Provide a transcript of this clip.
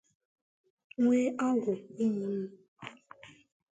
nwee agwụ ụmụnna